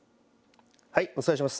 お伝えします。